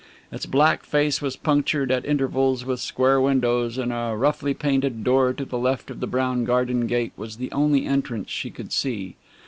Its black face was punctured at intervals with square windows, and a roughly painted door to the left of the brown garden gate was the only entrance she could see.